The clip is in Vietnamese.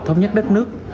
thống nhất đất nước